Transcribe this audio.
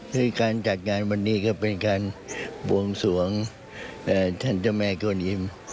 ซึ่งการจัดงานวันนี้ก็เป็นการบวงสวงท่านเจ้าแม่โกนิม